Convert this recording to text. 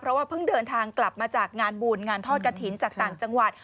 เพราะว่าเพิ่งเดินทางกลับมาจากงานบุญงานทอดกระถิ่นจากต่างจังหวัด